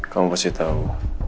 kamu pasti tahu